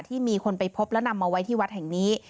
มีคนไปพบและนำมาไว้ที่วัดแห่งนี้